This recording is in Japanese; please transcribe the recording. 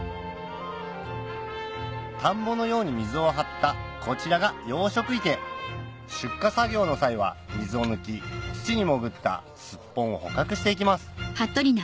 田んぼのように水を張ったこちらが養殖池出荷作業の際は水を抜き土に潜ったすっぽんを捕獲して行きます